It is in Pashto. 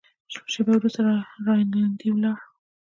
شېبه وروسته رینالډي ولاړ.